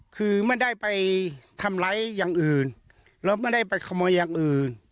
คือไม่ได้ไปทำร้ายอย่างอื่นแล้วไม่ได้ไปขโมยอย่างอื่น